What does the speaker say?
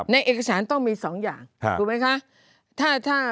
ในเอกสารต้องมี๒อย่างถูกไหมคะ